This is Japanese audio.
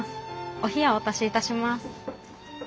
お冷やお足しいたします。